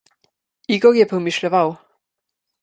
Igor je premišljeval.